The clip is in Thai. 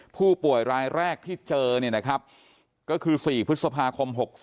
ผู้ป่วยรายแรกที่เจอก็คือศรีพฤษภาคม๖๔